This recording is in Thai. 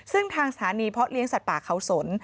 ซึ่งทางสถานีเพาะเลี้ยงสัตว์ป่าเขาสน